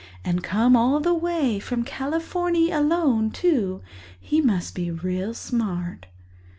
And come all the way from Californy alone, too—he must be real smart."